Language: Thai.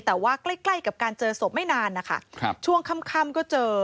แต่ว่าใกล้ใกล้กับการเจอศพไม่นานนะคะช่วงค่ำก็เจอ